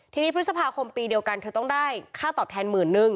ทีนี้พฤษภาคมปีเดียวกันเธอต้องได้ค่าตอบแทนหมื่นนึง